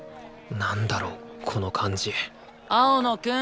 なんだろうこの感じ青野くん！